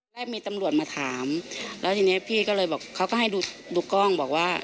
ได้มีตำรวจมาถามแล้วทีนี้พี่ก็เลยบอกเขาก็ให้ดูกล้องบอกว่า